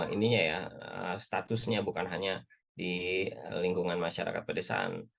ininya ya statusnya bukan hanya di lingkungan masyarakat pedesaan